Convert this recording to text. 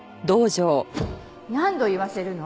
何度言わせるの？